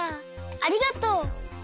ありがとう。